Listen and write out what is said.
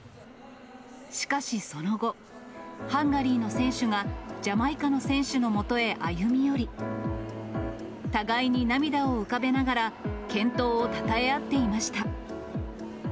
しかしその後、ハンガリーの選手が、ジャマイカの選手のもとへ歩み寄り、互いに涙を浮かべながら、健闘をたたえ合っていました。